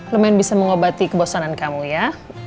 lemen bisa mengobati kebosanan kamu ya